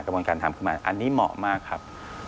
กระบวนการทำขึ้นมาอันนี้เหมาะมากครับ